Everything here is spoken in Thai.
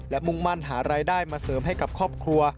และมุ่งมั่นหารายได้มาเสริมให้กับครอบครัว